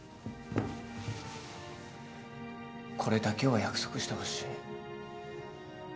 これだけは約束してほしい。